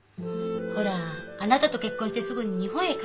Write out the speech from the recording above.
ほらあなたと結婚してすぐに日本へ帰ったじゃない？